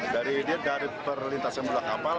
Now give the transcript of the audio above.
dari perlintasan belakang kapal